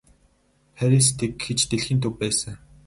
Парис тэгэхэд ч дэлхийн төв байсан.